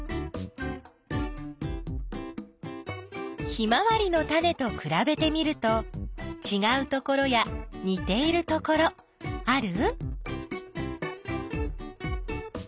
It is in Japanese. ヒマワリのタネとくらべてみるとちがうところやにているところある？